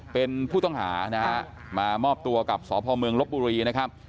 เป็นผู้ต้องหานะฮะมามอบตัวกับสพเมืองลบบุรีนะครับ